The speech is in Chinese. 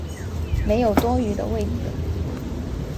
没有多余的位子